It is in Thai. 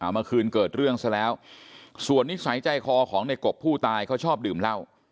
เมื่อคืนเกิดเรื่องซะแล้วส่วนนิสัยใจคอของในกบผู้ตายเขาชอบดื่มเหล้า